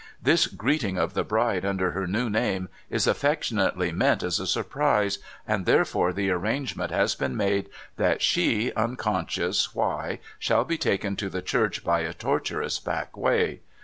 This greeting of the bride under her new name is affectionately meant as a surprise, and therefore the arrangement has been made that she, unconscious why, shall be taken to the church by a tortuous back way.